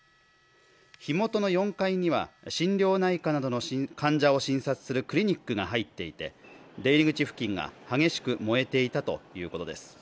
火元の４階には心療内科などの患者を診察するクリニックが入っていて、出入り口付近が激しく焼けていたということです。